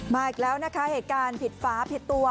อีกแล้วนะคะเหตุการณ์ผิดฝาผิดตัว